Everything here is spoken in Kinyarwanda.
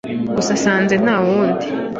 Gusa nsanze ntawundi